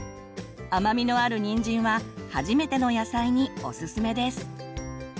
甘みのあるにんじんは初めての野菜におすすめです。